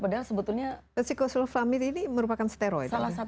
padahal sebetulnya psikosoflammid ini merupakan steroid